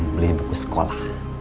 beli buku sekolah